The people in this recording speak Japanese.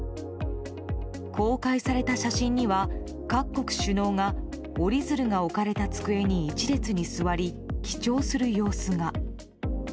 公開された写真には、各国首脳が折り鶴が置かれた机に１列に座り記帳する様子が。